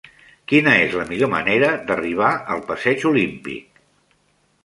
Quina és la millor manera d'arribar al passeig Olímpic?